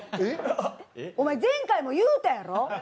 お前、前回も言うたやろ？